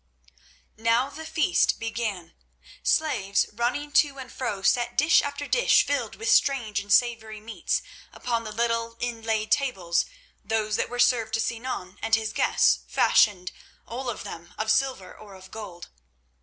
Now the feast began. Slaves running to and fro, set dish after dish filled with strange and savoury meats, upon the little inlaid tables, those that were served to Sinan and his guests fashioned, all of them, of silver or of gold.